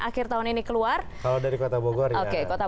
akhir tahun ini keluar kalau dari kota bogor ya